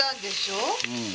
うん。